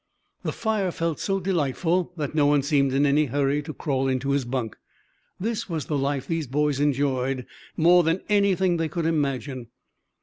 The fire felt so delightful that no one seemed in any hurry to crawl into his bunk. This was the life these boys enjoyed more than anything they could imagine.